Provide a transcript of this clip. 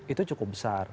itu cukup besar